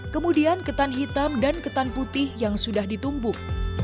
kemudian ketan hitam dan ketan putih yang sudah ditumpuk